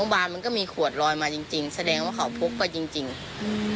บานมันก็มีขวดลอยมาจริงจริงแสดงว่าเขาพกไปจริงจริงอืม